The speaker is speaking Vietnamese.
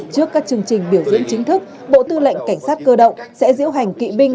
trước các chương trình biểu diễn chính thức bộ tư lệnh cảnh sát cơ động sẽ diễu hành kỵ binh